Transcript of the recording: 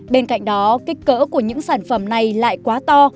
bên cạnh đó kích cỡ của những sản phẩm này lại quá to